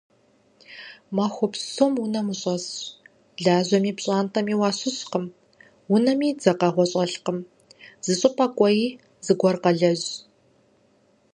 Махуэ псом унэм ущӀэсщ, лажьэми пщӀантӀэми уащыщкъым, унэми дзэкъэгъуэ щӀэлъкым, зыщӀыпӀэ кӀуэи, зыгуэр къэлэжь.